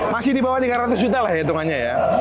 masih di bawah tiga ratus juta lah hitungannya ya